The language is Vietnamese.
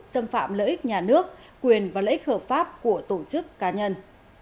xâm phạm lợi ích nhà nước quyền và lợi ích hợp pháp của tổ chức cá nhân